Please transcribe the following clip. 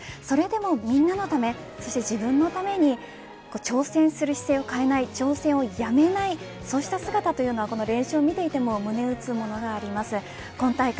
それでもみんなのためそして自分のために挑戦する姿勢を変えない挑戦をやめないそうした姿というのはこの練習を見ていても胸を打つものがありました。